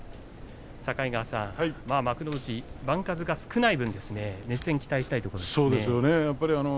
境川さん幕内番数が少ない分熱戦を期待したいですね。